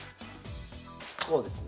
こうですね。